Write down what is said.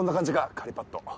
カリパット。